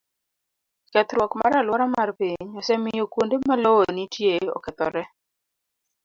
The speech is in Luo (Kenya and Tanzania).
Kethruok mar alwora mar piny osemiyo kuonde ma lowo nitie okethore.